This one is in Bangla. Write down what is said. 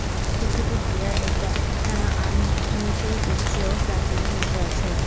কিছুদূর গিয়া একটা অনতিউচ্চ প্রাচীরের মতো আছে।